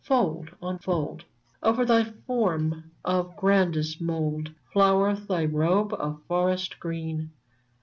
Fold on fold, Over thy form of grandest mould Floweth thy robe of forest green.